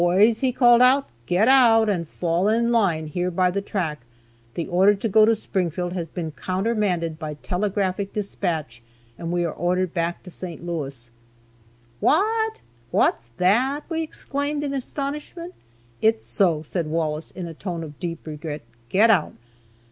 "Boys," he called, "get out, and fall in line here by the track. The order to go to Springfield has been countermanded by telegraphic dispatch and we are ordered back to St. Louis." "What! What's that?" we exclaimed, in astonishment. "It's so," said Wallace, in a tone of deep regret; "get out."